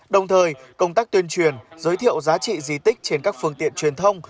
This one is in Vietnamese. đồng thời công tác tuyên truyền giới thiệu giá trị di tích trên các phương tiện truyền thông